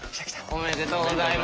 おめでとうございます。